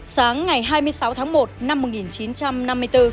sáng ngày hai mươi sáu tháng một năm một nghìn chín trăm năm mươi bốn